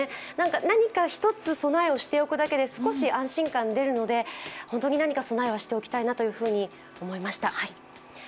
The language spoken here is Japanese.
何か一つ備えをしておくだけで少し安心感、出るので本当に何か備えをしておきたいなというふうに思いました。